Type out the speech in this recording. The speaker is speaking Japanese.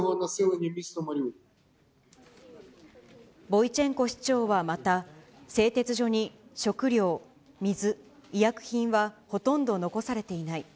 ボイチェンコ市長はまた、製鉄所に食料、水、医薬品はほとんど残されていない。